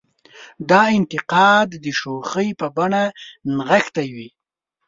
دا انتقاد د شوخۍ په بڼه نغښتې وي.